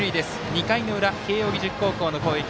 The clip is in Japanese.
２回の裏、慶応義塾高校の攻撃。